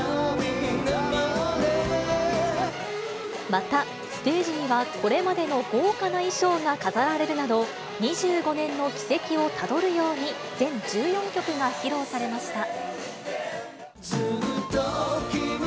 またステージには、これまでの豪華な衣装が飾られるなど、２５年の軌跡をたどるように全１４曲が披露されました。